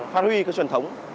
phát huy các truyền thống